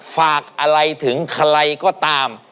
ฝากอะไรถึงใครก็ตาม